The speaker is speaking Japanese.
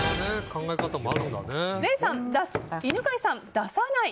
礼さん、出す犬飼さん、出さない。